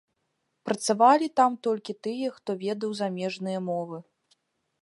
Працавалі там толькі тыя, хто ведаў замежныя мовы.